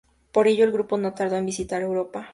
Por ello el grupo no tardó en visitar Europa.